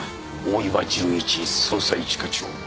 大岩純一捜査一課長。